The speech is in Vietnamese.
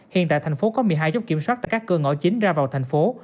hiện tại thành phố có một mươi hai chốt kiểm soát tại các cửa ngõ chính ra vào thành phố